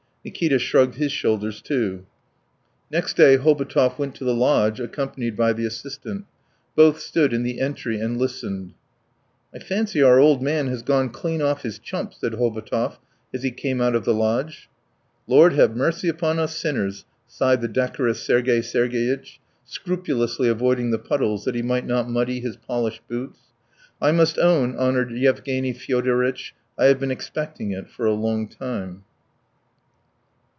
Nikita shrugged his shoulders too. Next day Hobotov went to the lodge, accompanied by the assistant. Both stood in the entry and listened. "I fancy our old man has gone clean off his chump!" said Hobotov as he came out of the lodge. "Lord have mercy upon us sinners!" sighed the decorous Sergey Sergeyitch, scrupulously avoiding the puddles that he might not muddy his polished boots. "I must own, honoured Yevgeny Fyodoritch, I have been expecting it for a long time."